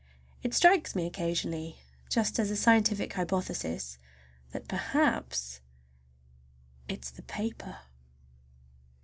It strikes me occasionally, just as a scientific hypothesis, that perhaps it is the paper!